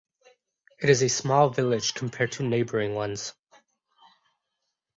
It is a small village compared to neighbouring ones.